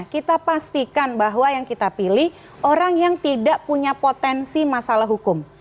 kita pastikan bahwa yang kita pilih orang yang tidak punya potensi masalah hukum